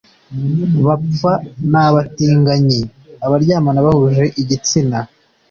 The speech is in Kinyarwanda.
bapfa n’abatinganyi (Abaryamana bahuje igitsina)